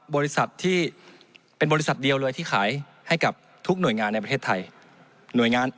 บริษัทที่เป็นบริษัทเดียวเลยที่ขายให้กับทุกหน่วยงานในประเทศไทย